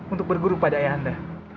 untuk berguru pada ayah anda